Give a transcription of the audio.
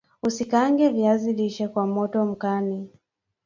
Usikaange viazi lishe kwa moto mkali